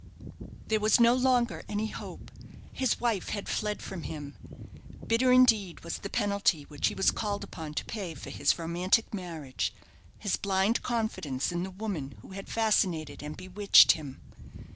There was no longer any hope: his wife had fled from him. Bitter, indeed, was the penalty which he was called upon to pay for his romantic marriage his blind confidence in the woman who had fascinated and bewitched him.